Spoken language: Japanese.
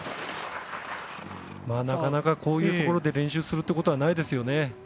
なかなかこういうところで練習することはないですよね。